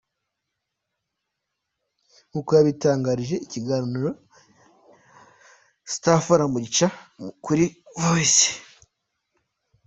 Nkuko yabitangarije mu kiganiro Star Forum gica kuri Voice.